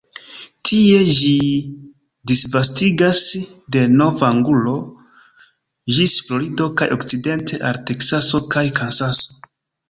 Tie ĝi disvastigas de Nov-Anglujo ĝis Florido kaj okcidente al Teksaso kaj Kansaso.